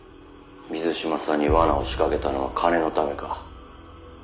水島さんに罠を仕掛けたのは金のためか？